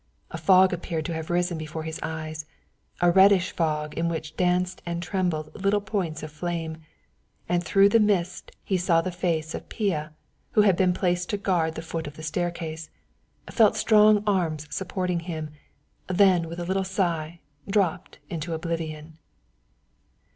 A fog appeared to have risen before his eyes, a reddish fog in which danced and trembled little points of flame and through the mist he saw the face of Pia, who had been placed to guard the foot of the staircase felt strong arms supporting him then with a little sigh drooped into oblivion.